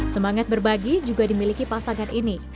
semangat berbagi juga dimiliki pasangan ini